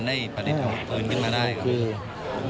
ได้ประดิษฐ์ปืนขึ้นมาได้ครับ